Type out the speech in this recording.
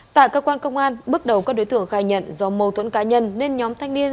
tại cơ quan công an bước đầu các đối tượng khai nhận do mâu thuẫn cá nhân nên nhóm thanh niên